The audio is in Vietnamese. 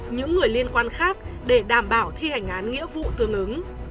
những người liên quan khác để đảm bảo thi hành án nghĩa vụ tương ứng